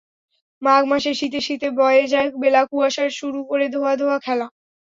মাঘ মাসে শীতে শীতে বয়ে যায় বেলাকুয়াশারা শুরু করে ধোঁয়া ধোঁয়া খেলা।